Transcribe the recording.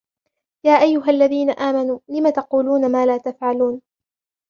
يَا أَيُّهَا الَّذِينَ آمَنُوا لِمَ تَقُولُونَ مَا لَا تَفْعَلُونَ